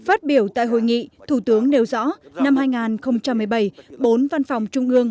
phát biểu tại hội nghị thủ tướng nêu rõ năm hai nghìn một mươi bảy bốn văn phòng trung ương